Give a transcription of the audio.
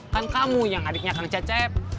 kan kamu yang adiknya karena cecep